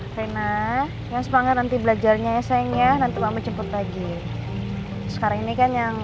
reina yang sepangat nanti belajarnya sayang ya nanti mama cepet pagi sekarang ini kan yang